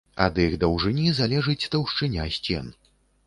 Ад іх даўжыні залежыць таўшчыня сцен.